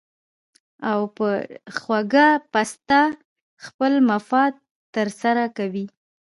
او ډېره پۀ خوږه پسته خپل مفادات تر سره کوي